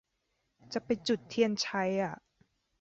จะไปจุดเทียนชัยอ่ะ